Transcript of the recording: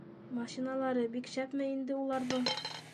— Машиналары бик шәпме инде уларҙың?